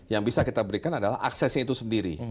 yang bisa kita berikan adalah aksesnya itu sendiri